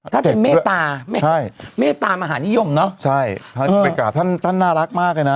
ท่านเป็นเมตตาไม่ใช่เมตตามหานิยมเนอะใช่ท่านไปกราบท่านท่านน่ารักมากเลยนะ